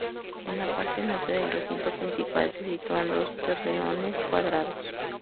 En la parte norte del recinto principal, se sitúan dos torreones cuadrados.